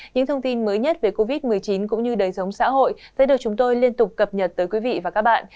những thông tin mới nhất về covid một mươi chín cũng như đời sống xã hội sẽ được chúng tôi liên tục cập nhật tới quý vị và các bạn